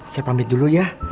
saya pamit dulu ya